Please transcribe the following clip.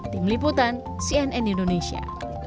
tim liputan cnn indonesia